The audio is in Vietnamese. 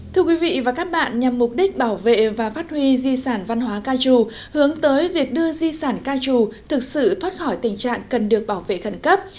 thưa quý vị và các bạn nhằm mục đích bảo vệ và phát huy di sản văn hóa ca trù hướng tới việc đưa di sản ca trù thực sự thoát khỏi tình trạng cần được bảo vệ khẩn cấp